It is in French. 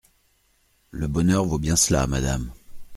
Le bonheur vaut bien cela, Madame.